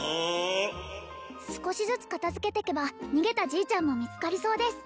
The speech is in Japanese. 少しずつ片づけてけば逃げたＧちゃんも見つかりそうです